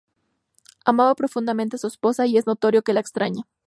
Amaba profundamente a su esposa y es notorio que la extraña.